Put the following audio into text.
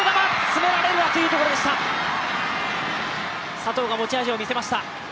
佐藤が持ち味を見せました。